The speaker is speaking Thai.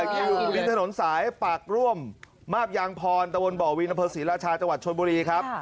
อยู่ริมถนนสายปากร่วมมาบยางพรตะวนบ่อวินอำเภอศรีราชาจังหวัดชนบุรีครับ